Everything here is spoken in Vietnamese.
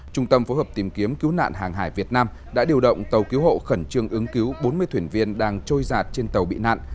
trung tâm phối hợp tìm kiếm cứu nạn hàng hải việt nam đã điều động tàu cứu hộ khẩn trương ứng cứu bốn mươi thuyền viên đang trôi giạt trên tàu bị nạn